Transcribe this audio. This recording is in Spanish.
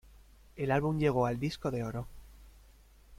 El álbum llegó al Disco de Oro.